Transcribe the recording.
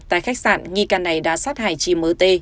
tại khách sạn nghi ca này đã sát hại chị m t